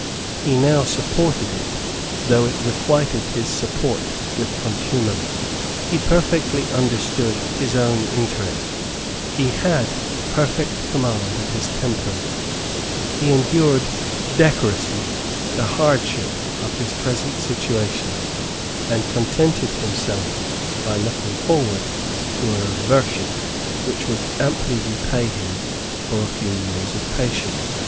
He now supported it, though it requited his support with contumely. He perfectly understood his own interest; he had perfect command of his temper; he endured decorously the hardships of his present situation, and contented himself by looking forward to a reversion which would amply repay him for a few years of patience.